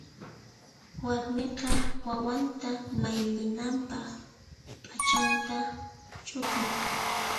Warmiqa wawanta mayllinanpaq p'achanta ch'utin.